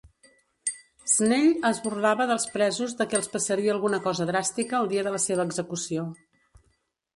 Snell es burlava dels presos de què els passaria alguna cosa dràstica el dia de la seva execució.